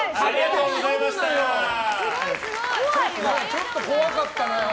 ちょっと怖かったな。